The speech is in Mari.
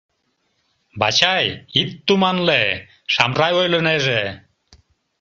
— Вачай, ит туманле, Шамрай ойлынеже...